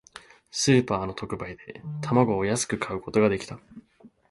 スーパーの特売で、卵を安く買うことができた。